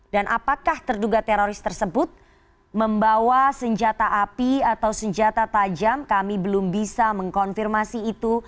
dan apakah terduga teroris tersebut membawa senjata api atau senjata tajam kami belum bisa mengkonfirmasi itu